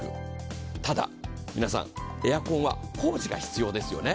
ただ、皆さん、エアコンは工事が必要ですよね。